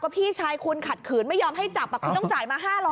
พี่ชายคุณขัดขืนไม่ยอมให้จับคุณต้องจ่ายมา๕๐๐